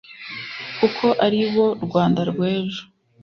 kuko ari bo Rwanda rw'ejo